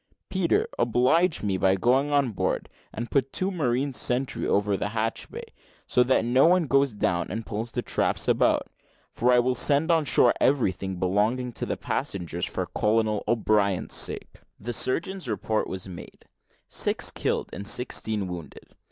Peter, oblige me by going on board, and put two marines sentry over the hatchway, so that no one goes down and pulls the traps about; for I'll send on shore everything belonging to the passengers, for Colonel O'Brien's sake." The surgeon's report was made six killed and sixteen wounded.